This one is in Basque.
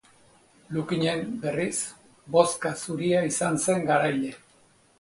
Lukinen, berriz, bozka zuria izan zen garaile.